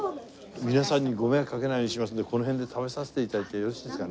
皆さんにご迷惑かけないようにしますんでこの辺で食べさせて頂いてよろしいですか？